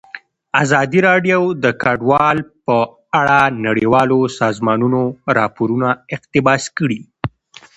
ازادي راډیو د کډوال په اړه د نړیوالو سازمانونو راپورونه اقتباس کړي.